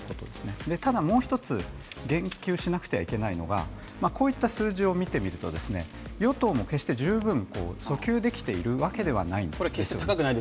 ただ、もう一つ言及しなくてはいけないのはこういった数字を見てみると与党も決して十分訴求できているわけではないんです。